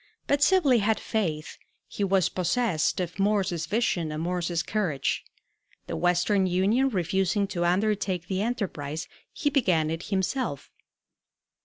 But Sibley had faith; he was possessed of Morse's vision and Morse's courage. The Western Union refusing to undertake the enterprise, he began it himself.